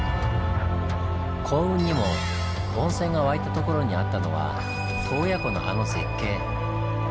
幸運にも温泉が湧いた所にあったのは洞爺湖のあの絶景。